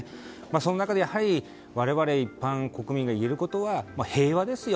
その中でやはり我々、一般国民が言えることは平和ですよ。